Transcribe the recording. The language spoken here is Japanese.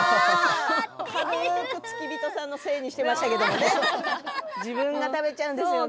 軽く付き人さんのせいにしていますけど自分が食べちゃうんですよね。